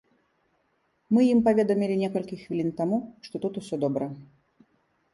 Мы ім паведамілі некалькі хвілін таму, што тут усё добра.